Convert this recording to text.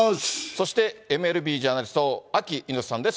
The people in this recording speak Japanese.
そして、ＭＬＢジャーナリスト、アキ猪瀬さんです。